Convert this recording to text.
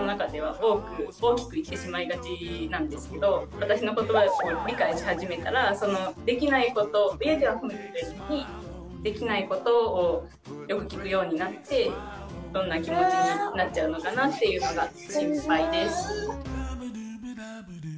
私の言葉を理解し始めたら家では褒めてるのにできないことをよく聞くようになってどんな気持ちになっちゃうのかなっていうのが心配です。